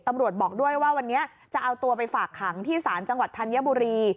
ตำรวจบอกด้วยว่าวันนี้จะเอาตัวไปฝากขังที่ศาลจังหวัดธัญบุรี